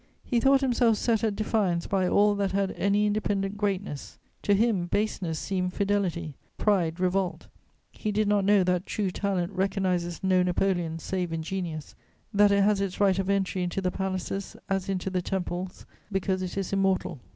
He thought himself set at defiance by all that had any independent greatness; to him baseness seemed fidelity, pride revolt: he did not know that true talent recognises no Napoleons save in genius, that it has its right of entry into the palaces as into the temples, because it is immortal.